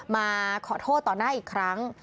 มาขอโทษต่อหน้าอีกครั้ง